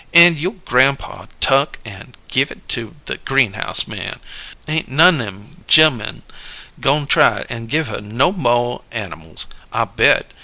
an' you' grampaw tuck an' give it to the greenhouse man. Ain't none nem ge'lmun goin' try an' give her no mo' animals, I bet!